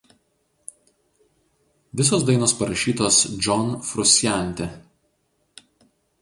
Visos dainos parašytos John Frusciante.